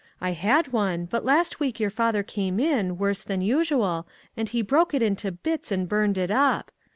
I had one, but last week your father came in, worse than usual, and he broke it into bits, and burned it up.